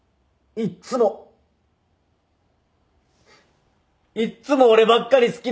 いっつも俺ばっかり好きですよね。